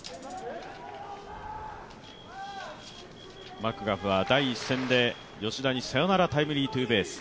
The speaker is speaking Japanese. マクガフは第１戦で吉田にサヨナラタイムリーツーベース。